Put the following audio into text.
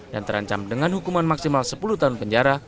dan terancam dengan hukuman maksimal sepuluh tahun penjara